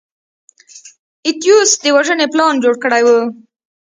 اتیوس د وژنې پلان جوړ کړی و.